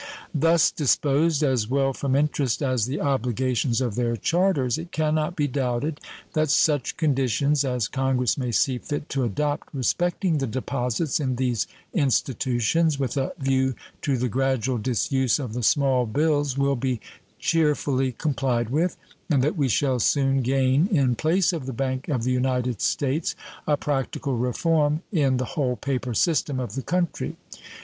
Thus disposed, as well from interest as the obligations of their charters, it can not be doubted that such conditions as Congress may see fit to adopt respecting the deposits in these institutions, with a view to the gradual disuse, of the small bills will be cheerfully complied with, and that we shall soon gain in place of the Bank of the United States a practical reform in the whole paper system of the country.